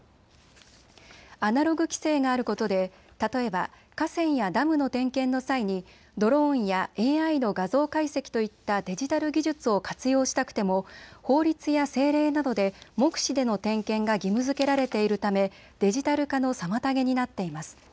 アナログ規制があることで例えば河川やダムの点検の際にドローンやＡＩの画像解析といったデジタル技術を活用したくても法律や政令などで目視での点検が義務づけられているため、デジタル化の妨げになっています。